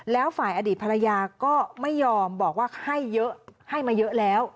แล้วฝ่ายอดีตภรรยาก็ไม่ยอมบอกว่าให้เยอะให้มาเยอะแล้ว